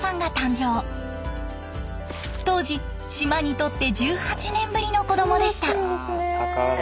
当時島にとって１８年ぶりの子供でした。